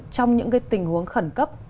trong những cái tình huống khẩn cấp